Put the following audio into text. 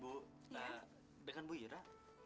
bu dengan bu yura